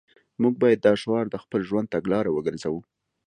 موږ باید دا شعار د خپل ژوند تګلاره وګرځوو